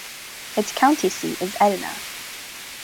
Its county seat is Edina.